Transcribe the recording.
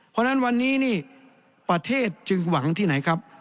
เพราะฉะนั้นวันนี้นี่ประเทศจึงหวังที่ไหนครับ